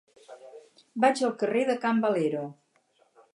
Vaig al carrer de Can Valero.